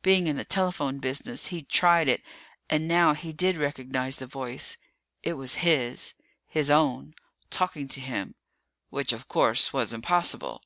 Being in the telephone business, he'd tried it and now he did recognize the voice. It was his. His own. Talking to him. Which, of course, was impossible.